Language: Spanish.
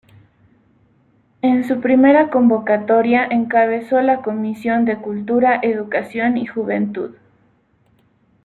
En su primera convocatoria, encabezó la Comisión de Cultura, Educación y Juventud.